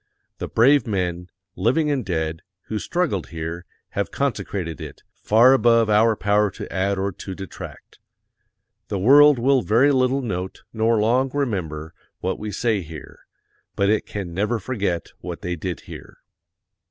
The brave men, living and dead, who struggled here, have consecrated it, far above our power to add or to detract. The world will very little note nor long remember what we say here; but it can never forget what they did here.